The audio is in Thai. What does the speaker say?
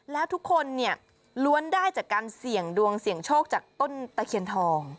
แล้วทุกคนเนี่ยล้วนได้จากการเสี่ยงดวงเสี่ยงโชคจากต้นตะเคียนทอง